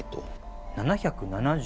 ７７０。